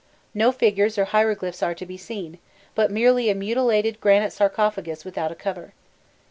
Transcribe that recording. No figures or hieroglyphs are to be seen, but merely a mutilated granite sarcophagus without a cover.